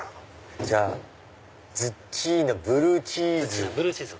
じゃあずっちーなブルーチーズ。